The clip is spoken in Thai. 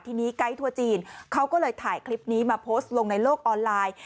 ทีนี้ไกด์ทัวร์จีนเขาก็เลยถ่ายคลิปนี้มาโพสต์ลงในโลกออนไลน์